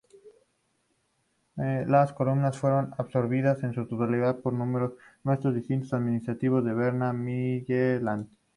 Las comunas fueron absorbidas en su totalidad por el nuevo distrito administrativo de Berna-Mittelland.